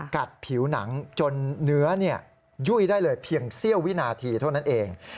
ผิวหนังจนเนื้อยุ่ยได้เลยเพียงเสี้ยววินาทีเท่านั้นเอง